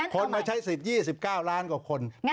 คนมาใช้๑๐๒๙ล้านกว่าคน